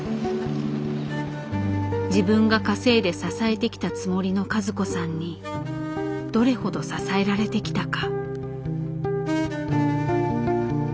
自分が稼いで支えてきたつもりの和子さんにどれほど支えられてきたか。